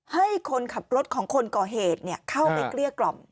ให้คนขับรถของคนก่อเหตุเข้าไปเกลี้ยกล่อม